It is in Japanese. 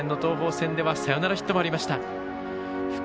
３回戦の東邦戦ではサヨナラヒットもありました。